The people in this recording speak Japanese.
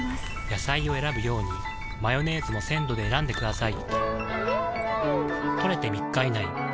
野菜を選ぶようにマヨネーズも鮮度で選んでくださいん！